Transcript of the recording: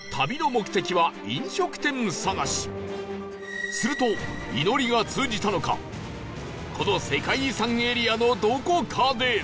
そうすると祈りが通じたのかこの世界遺産エリアのどこかで